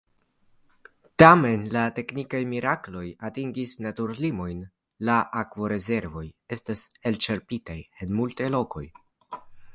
Tamen la teknikaj mirakloj atingis naturlimojn – la akvorezervoj estas elĉerpitaj en multaj lokoj.